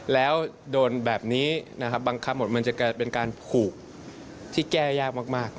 แล้วโดนแบบนี้บังคับหมดมันจะเป็นการผูกที่แก้ยากมาก